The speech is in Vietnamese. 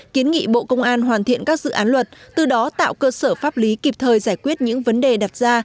kiến nghị bộ công an hoàn thiện các dự án luật từ đó tạo cơ sở pháp lý kịp thời giải quyết những vấn đề đặt ra